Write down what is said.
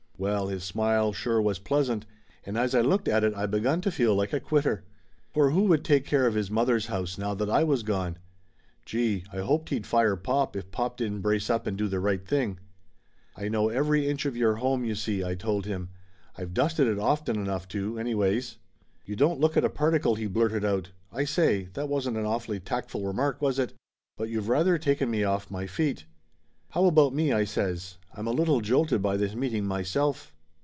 Well, his smile sure was pleasant! And as I looked at it I begun to feel like a quitter. For who would take care of his mother's house, now that I was gone? Gee, I hoped he'd fire pop if pop didn't brace up and do the right thing. "I know every inch of your home, you see !" I told him. "I've dusted it often enough to, anyways!" "You don't look it a particle!" he blurted out. "I say, that wasn't an awfully tactful remark, was it? But you've rather taken me off my feet!" "How about me?" I says. "I'm a little jolted by this meeting myself